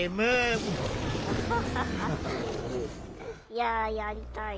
いややりたい。